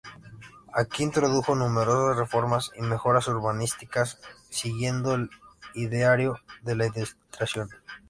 Aquí introdujo numerosas reformas y mejoras urbanísticas siguiendo el ideario de la Ilustración.